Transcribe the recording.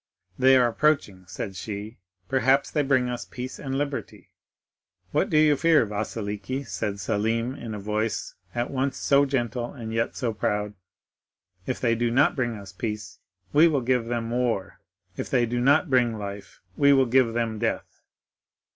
'They are approaching,' said she; 'perhaps they bring us peace and liberty!' "'What do you fear, Vasiliki?' said Selim, in a voice at once so gentle and yet so proud. 'If they do not bring us peace, we will give them war; if they do not bring life, we will give them death.